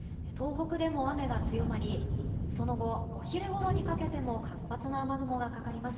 東北でも雨が強まりその後、お昼ごろにかけても活発な雨雲がかかります。